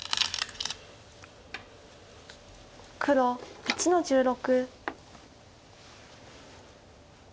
黒１の十六。